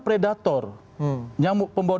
predator nyamuk pembawa